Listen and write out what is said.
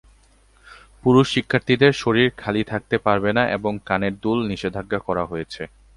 পুরুষ শিক্ষার্থীদের শরীর খালি থাকতে পারবে না এবং কানের দুল নিষেধাজ্ঞা করা রয়েছে।